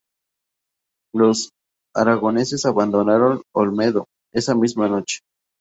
Los aragoneses abandonaron Olmedo esa misma noche.